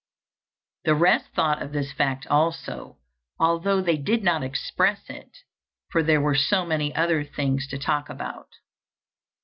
The rest thought of this fact also, although they did not express it, for there were so many other things to talk about.